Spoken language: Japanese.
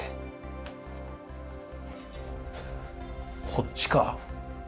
こっちか。